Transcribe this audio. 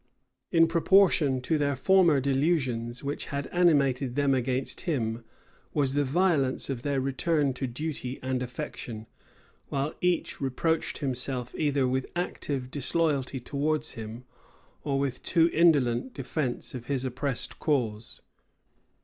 In proportion to their former delusions, which had animated them against him, was the violence of their return to duty and affection; while each reproached himself either with active disloyalty towards him, or with too indolent defence of his oppressed cause.